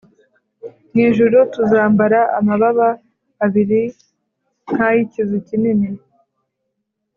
Mwijuru tuzambara amababa abiri nka y’ ikizu kinini